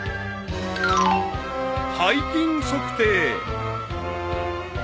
［背筋測定］